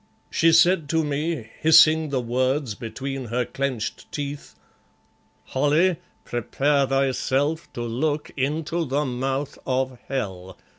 She said to, me hissing the words between her clenched teeth "Holly, prepare thyself to look into the mouth of hell.